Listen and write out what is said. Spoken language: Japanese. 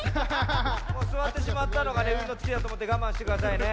もうすわってしまったのがうんのつきだとおもってがまんしてくださいね。